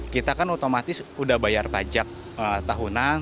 kita kan otomatis udah bayar pajak tahunan